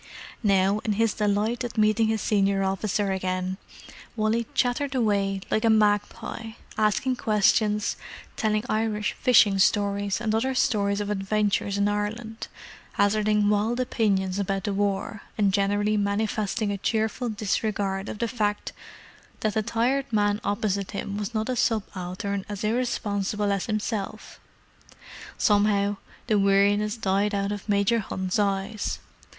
Now, in his delight at meeting his senior officer again, Wally chattered away like a magpie, asking questions, telling Irish fishing stories, and other stories of adventures in Ireland, hazarding wild opinions about the war, and generally manifesting a cheerful disregard of the fact that the tired man opposite him was not a subaltern as irresponsible as himself. Somehow, the weariness died out of Major Hunt's eyes.